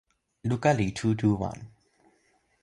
luka li tu tu wan.